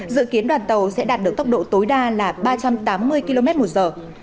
dự kiến đoàn tàu sẽ đạt được tốc độ tối đa là ba trăm tám mươi km một giờ